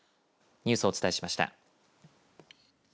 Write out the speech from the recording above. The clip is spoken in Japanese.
ニュースをお伝えしました。